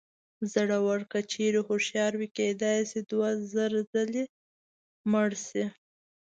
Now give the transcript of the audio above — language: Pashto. زړور که چېرې هوښیار وي کېدای شي دوه زره ځلې مړ شي.